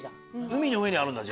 海の上にあるんだ。